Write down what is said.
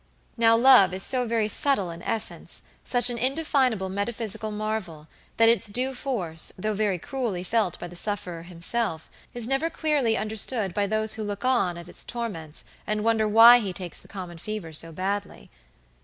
Now love is so very subtle an essence, such an indefinable metaphysical marvel, that its due force, though very cruelly felt by the sufferer himself, is never clearly understood by those who look on at its torments and wonder why he takes the common fever so badly.